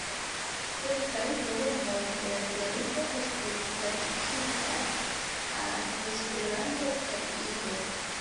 Kelkaj volumoj de la serio estis tradukitaj al Esperanto kaj Ido.